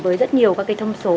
với rất nhiều các cái thông số